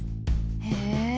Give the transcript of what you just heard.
へえ！